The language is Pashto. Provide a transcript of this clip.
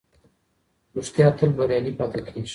رښتيا تل بريالی پاتې کېږي.